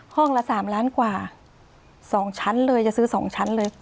ห้องละสามล้านกว่าสองชั้นเลยจะซื้อสองชั้นเลย